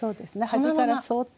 端からそっとね。